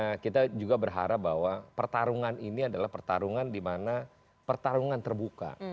dan kita juga berharap bahwa pertarungan ini adalah pertarungan dimana pertarungan terbuka